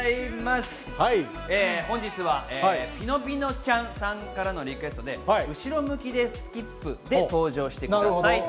本日は、ぴのぴのちゃんさんからのリクエストで後ろ向きのスキップで登場しました。